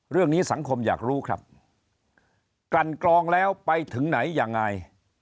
เรื่องนี้สังคมอยากรู้ครับกลั่นกรองแล้วไปถึงไหนยังไง